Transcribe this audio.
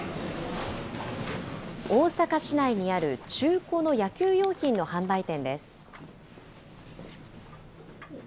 大阪市内にある中古の野球用品の販売店です。